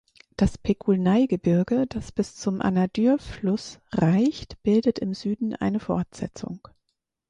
Das Pekulnei-Gebirge, das bis zum Anadyr-Fluss reicht, bildet im Süden eine Fortsetzung.